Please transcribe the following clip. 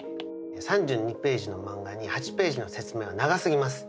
３２ページの漫画に８ページの説明は長すぎます。